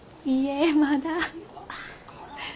いえまだ。